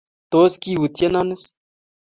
Tos kiutyeno is?